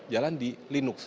jalan di linux